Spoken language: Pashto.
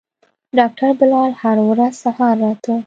ډاکتر بلال هره ورځ سهار راته.